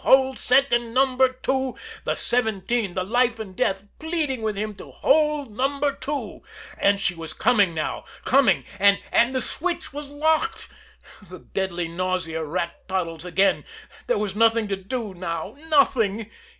Hold second Number Two" the "seventeen," the life and death, pleading with him to hold Number Two. And she was coming now, coming and and the switch was locked. The deadly nausea racked Toddles again; there was nothing to do now nothing.